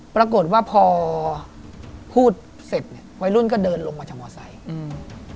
ปรากฏว่าพอพูดเสร็จวัยรุ่นก็เดินลงมาจากมอเตอร์ไซด์